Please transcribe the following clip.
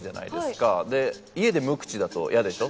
家で無口だとイヤでしょ？